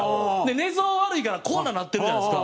寝相悪いからこんななってるじゃないですか。